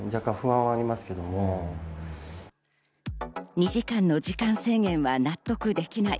２時間の時間制限は納得できない。